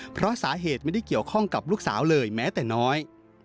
เพราะสาเหตุไม่ได้เกี่ยวข้องกับลูกสาวเลยแม้แต่น้อย